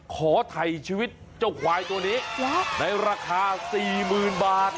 ไถ่ชีวิตเจ้าควายตัวนี้ในราคา๔๐๐๐บาท